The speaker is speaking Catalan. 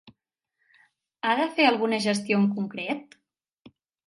Ha de fer alguna gestió en concret?